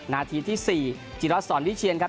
นาทีที่๔จิรัสสอนวิเชียนครับ